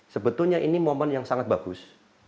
sebetulnya ini momen yang sangat bagus